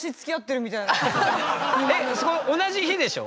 えっ同じ日でしょ？